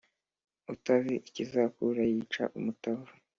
Utazi ikizakura yica umutavu.